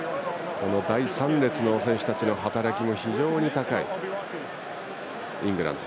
第３列の選手たちの働きも非常に高いイングランド。